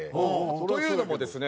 というのもですね